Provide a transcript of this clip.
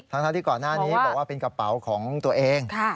ทั้งที่ก่อนหน้านี้บอกว่าเป็นกระเป๋าของตัวเอง